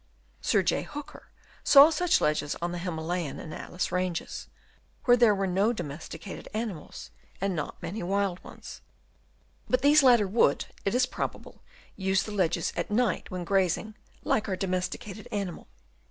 Sir J. Hooker saw such ledges on the Himalayan and Atlas ranges, where there were no domesticated animals and not many wild ones ; but these latter would, it is probable, use the ledges at night while grazing like our domesticated animals.